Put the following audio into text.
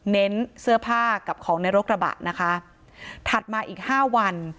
เน้นเสื้อผ้ากับของในรถกระบะนะคะถัดมาอีกห้าวัน